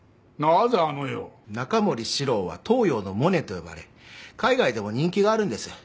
中森司郎は東洋のモネと呼ばれ海外でも人気があるんです。